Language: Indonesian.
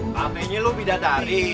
hp nya lu bidadari